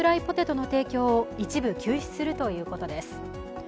ポテトの提供を一部、休止するということです。